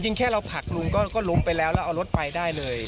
แค่เราผลักลุงก็ล้มไปแล้วแล้วเอารถไปได้เลย